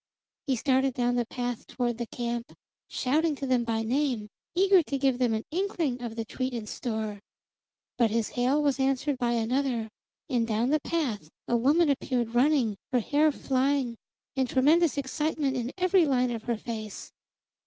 He started down the path toward the camp, shouting to them by name, eager to give them an inkling of the treat in store. But his hail was answered by another, and down the path a woman appeared running, her hair flying, and tremendous excitement in every line of her face.